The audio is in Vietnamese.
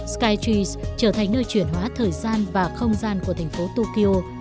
skytreas trở thành nơi chuyển hóa thời gian và không gian của thành phố tokyo